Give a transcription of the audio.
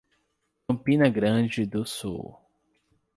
Campina Grande do Sul